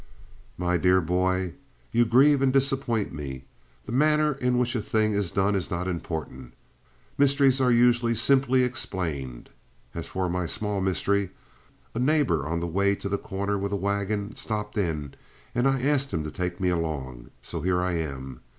"My dear boy, you grieve and disappoint me. The manner in which a thing is done is not important. Mysteries are usually simply explained. As for my small mystery a neighbor on the way to The Corner with a wagon stopped in, and I asked him to take me along. So here I am.